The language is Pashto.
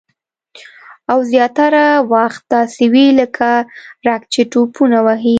او زیاتره وخت داسې وي لکه رګ چې ټوپونه وهي